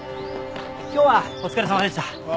今日はお疲れさまでした。